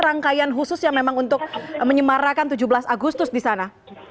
rangkaian khusus yang memang untuk menyemarakan tujuh belas agustus di sana